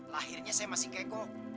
lahirnya saya masih kekok